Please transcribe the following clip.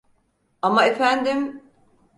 Ama efendim!